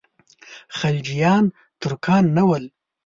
خلجیان ترکان نه ول.